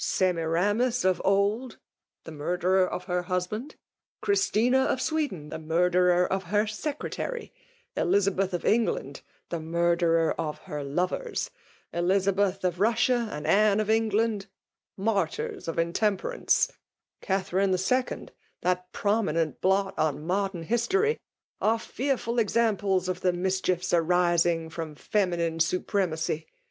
— Semiramis of old, the murderer of her husband; Christina of Sweden, the murderer of her secretary; Elizabeth of England, the murderer of her lovers; Eliza* beth of Russia, and Anne of England, martyrs of intemperance ; Catherine the Second, that prominent blot on modern history, — are fearful examples of the mischiefs arising from feminine supremacy.